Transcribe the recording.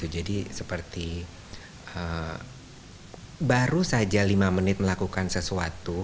jadi seperti baru saja lima menit melakukan sesuatu